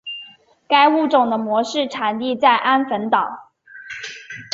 该物种的模式产地在安汶岛。